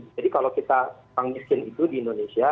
jadi kalau kita pangmiskin itu di indonesia